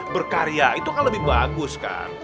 berkarya itu kan lebih bagus kan